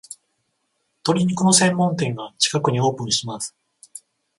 鶏肉の専門店が近くにオープンします